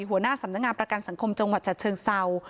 หัวหน้าสำนักงานประกันสังคมจังหวัดฉะเชิงเศร้า